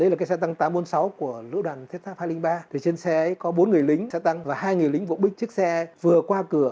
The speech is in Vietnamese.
đây là cái xe tăng tám trăm bốn mươi sáu của lũ đoàn thiết tháp hai trăm linh ba trên xe ấy có bốn người lính xe tăng và hai người lính vỗ bích chiếc xe vừa qua cửa